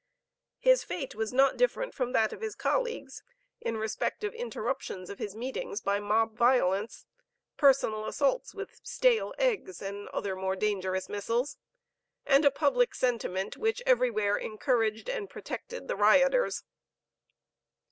His fate was not different from that of his colleagues, in respect of interruptions of his meetings by mob violence, personal assaults with stale eggs and other more dangerous missiles, and a public sentiment which everywhere encouraged and protected the rioters.